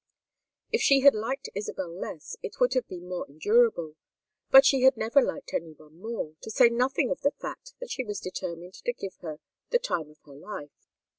If she had liked Isabel less, it would have been more endurable, but she had never liked any one more, to say nothing of the fact that she was determined to give her "the time of her life."